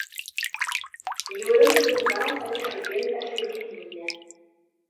Yurem Yuba ad iṣeggem aselkim-nni.